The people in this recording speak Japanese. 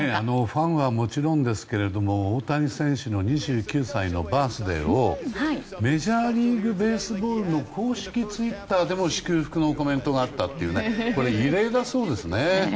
ファンはもちろんですけど大谷選手の２９歳のバースデーをメジャーリーグベースボールの公式ツイッターでも祝福のコメントがあったとこれ、異例だそうですね。